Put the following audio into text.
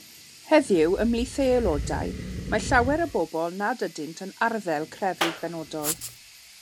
Heddiw ymhlith ei aelodau mae llawer o bobl nad ydynt yn arddel crefydd benodol.